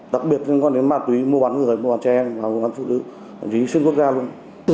đặc biệt liên quan đến ma túy mua bán người mua bán trẻ em mua bán phụ nữ thậm chí xuyên quốc gia luôn